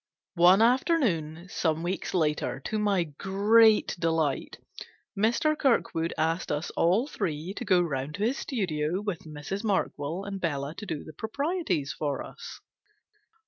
One afternoon, some weeks later, to my great delight, Mr. Kirkwood asked us all three to go round to his studio, with Mrs. Markwell and Bella to do the proprieties for us.